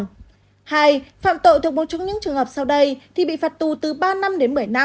hai phạm tội thuộc một trong những trường hợp sau đây thì bị phạt tù từ ba năm đến một mươi năm